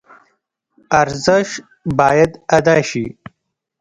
ارزش باید ادا شي.